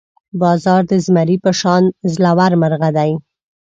باز د زمري په شان زړور مرغه دی